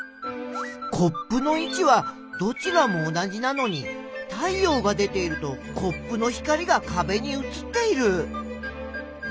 コップのいちはどちらも同じなのに太陽が出ているとコップの光がかべにうつっている。